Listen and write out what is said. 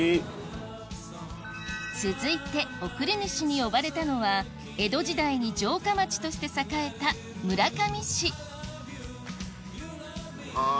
続いて送り主に呼ばれたのは江戸時代に城下町として栄えた村上市あぁ